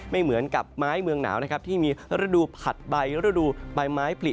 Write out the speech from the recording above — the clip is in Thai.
ไม่เหมือนกับไม้เมืองหนาวนะครับที่มีฤดูผัดใบฤดูใบไม้ผลิ